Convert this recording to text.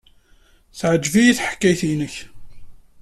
Teɛjeb-iyi teḥkayt-nnek.